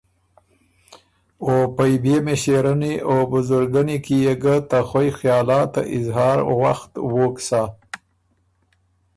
او پئ بيې مِݭېرنی او بزرګنی کی يې ګۀ ته خوئ خیالات ته اظهار وخت ووک سَۀ۔